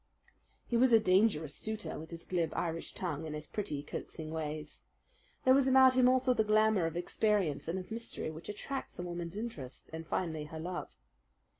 He was a dangerous suitor, with his glib Irish tongue, and his pretty, coaxing ways. There was about him also that glamour of experience and of mystery which attracts a woman's interest, and finally her love.